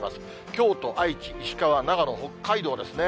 京都、愛知、石川、長野、北海道ですね。